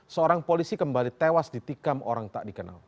seorang polisi kembali tewas ditikam orang tak dikenal